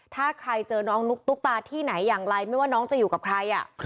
ถ้าใครเจอน้องนุ๊กตุ๊กตาที่ไหนอย่างไรไม่ว่าน้องจะอยู่กับใคร